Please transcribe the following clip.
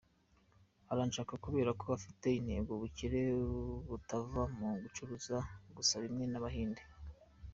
Arashaka kubereka ko afite intego, ubukire butava mu gucuruza gusa bimwe by’Abahinde !